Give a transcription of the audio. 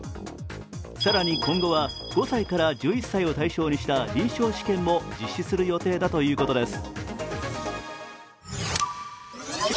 更に今後は５歳から１１歳を対象にした臨床試験も実施する予定だということです。